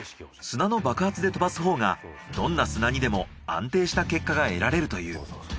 砂の爆発で飛ばすほうがどんな砂にでも安定した結果が得られるという。